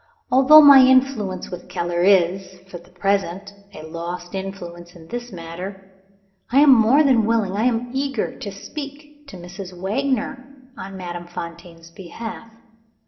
"Although my influence with Keller is, for the present, a lost influence in this matter, I am more than willing I am eager to speak to Mrs. Wagner on Madame Fontaine's behalf.